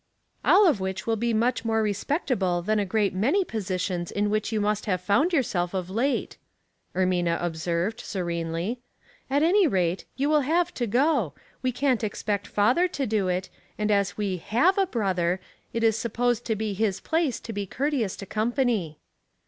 194 Puzzling People, 195 " All of which will be much more respectable than a great many positions ia which you must have found yourself of late," Ermiua ob served, serenely. " At any rate, you will have to go ; we can't expect father to do it, and as we have a brother, it is supposed to be his place to be courteous to company."